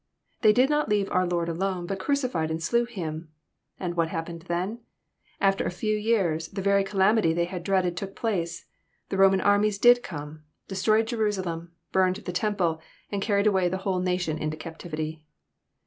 They did not leave oar Lord alone, bat crucified and slew Him. And what happened then? After a few years, the very calamity they had dreaded took place: the Roman armies did come, destroyed Jerusalem, bamed the temple, and car ried away the whole nation into captivity.